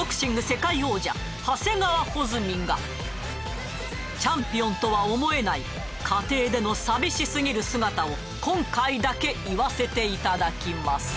世界王者長谷川穂積がチャンピオンとは思えない家庭での寂しすぎる姿を今回だけ言わせていただきます